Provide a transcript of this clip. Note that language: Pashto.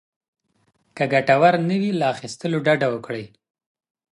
که ګټور نه وي، له اخيستلو ډډه وکړئ.